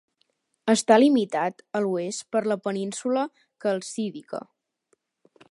Està limitat a l'oest per la península Calcídica.